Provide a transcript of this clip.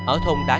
ở thùng đà nẵng